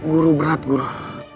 guru berat guru